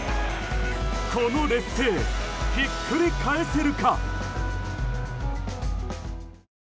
この劣勢、ひっくり返せるか。